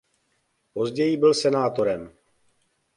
Později byl senátorem.